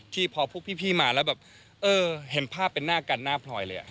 พอพวกพี่มาแล้วแบบเออเห็นภาพเป็นหน้ากันหน้าพลอยเลย